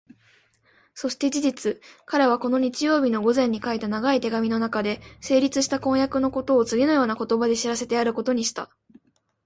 そして事実、彼はこの日曜日の午前に書いた長い手紙のなかで、成立した婚約のことをつぎのような言葉で知らせてやることにした。